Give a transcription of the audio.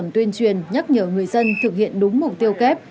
tuyên truyền nhắc nhở người dân thực hiện đúng mục tiêu kép